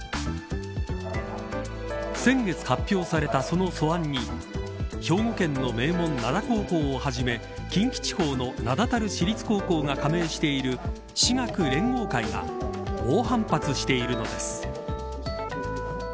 先月発表されたその素案に兵庫県の名門、灘高校をはじめ近畿地方の名だたる私立高校が加盟している私学連合会が猛反発しているのです。